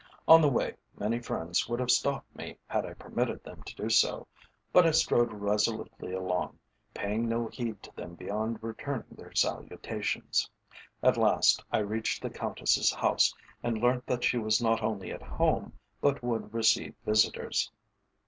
On the way many friends would have stopped me had I permitted them to do so, but I strode resolutely along, paying no heed to them beyond returning their salutations. At last I reached the Countess's house and learnt that she was not only at home but would receive visitors.